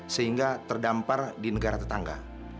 sehingga terdampar di negara tetangga